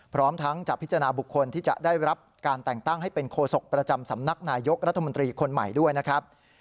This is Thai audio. พร้อมทั้งจะพิจารณาบุคคลที่จะได้รับการแต่งตั้งให้เป็นโคศกประจำสำนักนายยกรัฐมนตรีคนใหม่ด้วยนะครับ